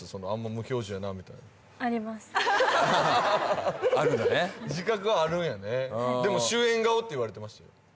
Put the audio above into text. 無表情やなみたいなありますあるんだね自覚はあるんやねでも主演顔って言われてましたよ